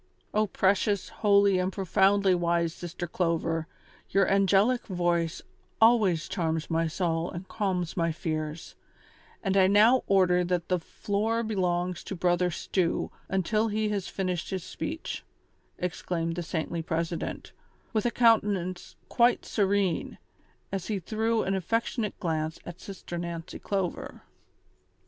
"O precious, holy and profoundly wise Sister Clover, your angelic voice always charms my soul and calms my fears ; and I now order tluit the floor belongs to Brother Stew until he has finished his speech," exclaimed the saintly president, with a countenance quite serene, as he threw an affectionate glance at Sister Nancy Clover.